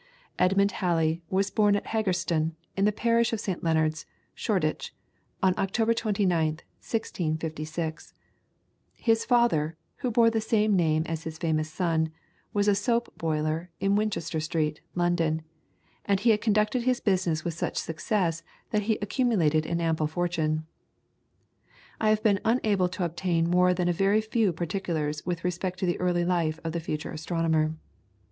Edmund Halley was born at Haggerston, in the Parish of St. Leonard's, Shoreditch, on October 29th, 1656. His father, who bore the same name as his famous son, was a soap boiler in Winchester Street, London, and he had conducted his business with such success that he accumulated an ample fortune. I have been unable to obtain more than a very few particulars with respect to the early life of the future astronomer.